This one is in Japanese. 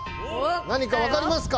何かわかりますか？